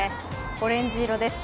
オレンジ色です。